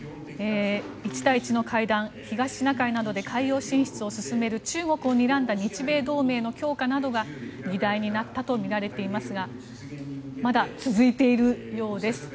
１対１の会談東シナ海などで海洋進出を進める中国をにらんだ日米同盟の強化などが議題になったとみられていますがまだ続いているようです。